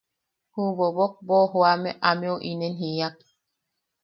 Ju boobok boʼojoame ameu inen jiak: